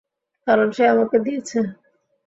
কারণ সে আমাকে দিয়েছে।